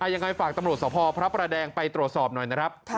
ยังไงฝากตำรวจสภพระประแดงไปตรวจสอบหน่อยนะครับ